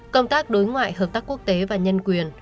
công tác đối ngoại hợp tác quốc tế và nhân quyền